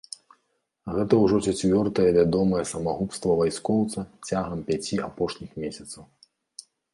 Гэта ўжо чацвёртае вядомае самагубства вайскоўца цягам пяці апошніх месяцаў.